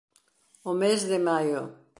O mes de maio.